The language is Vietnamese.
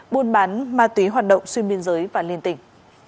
buôn bán ma túy hoạt động xuyên biên giới và liên tỉnh